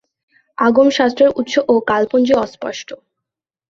আগম শাস্ত্রের উৎস ও কালপঞ্জি অস্পষ্ট।